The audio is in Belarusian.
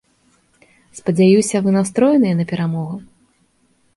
Спадзяюся, вы настроеныя на перамогу?